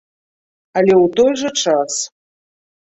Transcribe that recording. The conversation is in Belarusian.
Але ў той жа час.